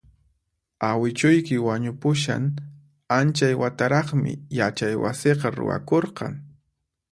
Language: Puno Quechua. Awichuyki wañupushan anchay wataraqmi yachaywasiqa ruwakurqan